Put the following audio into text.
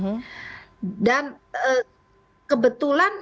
itu ruang khusus yang kami agar ulang ulang maju